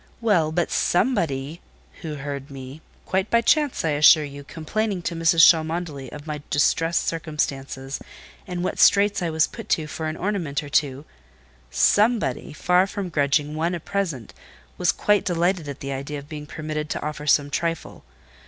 Well, but SOMEBODY who heard me (quite by chance, I assure you) complaining to Mrs. Cholmondeley of my distressed circumstances, and what straits I was put to for an ornament or two—somebody, far from grudging one a present, was quite delighted at the idea of being permitted to offer some trifle.